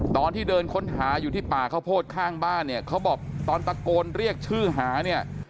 ตอนที่เดินค้นหาอยู่ที่ป่าข้าวโพดข้างบ้านเนี่ยเขาบอกตอนตะโกนเรียกชื่อหาเนี่ย